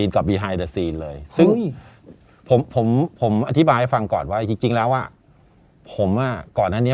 กับเลยซึ่งผมอธิบายฟังก่อนไว้จริงแล้วว่าผมอ่ะก่อนนั้นนี้